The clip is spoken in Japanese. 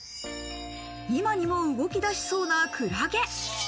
今にも動き出しそうなクラゲ。